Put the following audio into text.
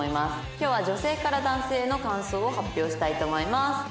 「今日は女性から男性への感想を発表したいと思います」